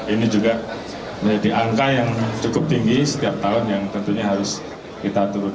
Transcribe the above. ini juga menjadi angka yang cukup tinggi setiap tahun yang tentunya harus kita turunkan